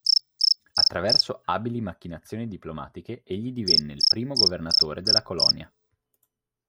Attraverso abili macchinazioni diplomatiche, egli divenne il primo governatore della colonia.